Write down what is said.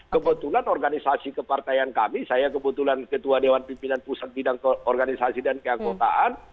kebetulan organisasi kepartaian kami saya kebetulan ketua dewan pimpinan pusat bidang organisasi dan keangkotaan